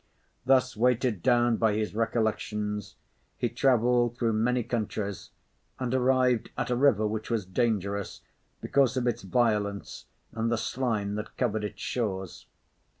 Thus weighted down by his recollections, he travelled through many countries and arrived at a river which was dangerous, because of its violence and the slime that covered its shores.